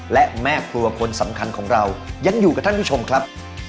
และแม่ครัวคนสำคัญของเรายังอยู่กับท่านผู้ชมครับ